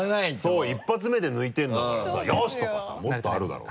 そう一発目で抜いてるんだからさ「よし！」とかさもっとあるだろう？